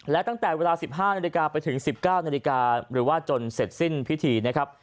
และตั้งแต่เวลา๑๕นาฬิกาไปถึง๑๙นาฬิกาหรือว่าจนเสร็จสิ้นพิธีนะครับ